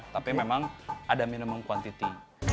tapi memang ada minimum kuantiti